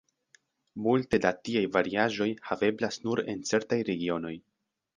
Multe da tiaj variaĵoj haveblas nur en certaj regionoj.